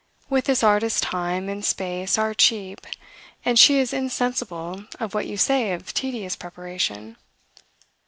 With this artist time and space are cheap, and she is insensible of what you say of tedious preparation.